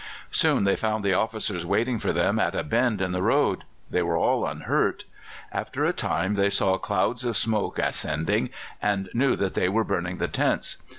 Soon they found the officers waiting for them at a bend in the road; they were all unhurt. After a time they saw clouds of smoke ascending, and knew that they were burning the tents.